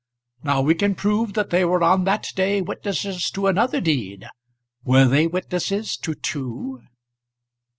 Now we can prove that they were on that day witnesses to another deed. Were they witnesses to two?"